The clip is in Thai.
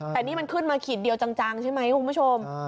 แต่นี่มันขึ้นมายหลานเดียวจังใช่มั้ยคุณผู้ชม